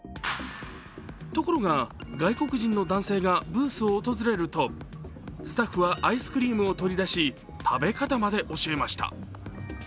ところが、外国人の男性がブースを訪れるとスタッフはアイスクリームを取り出し、食べ方まで教えました。